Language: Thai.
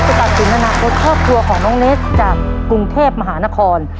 ตัดสินอนาคตครอบครัวของน้องเนสจากกรุงเทพมหานคร